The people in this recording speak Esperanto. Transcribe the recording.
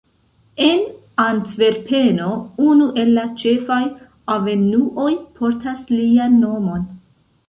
En Antverpeno unu el la ĉefaj avenuoj portas lian nomon.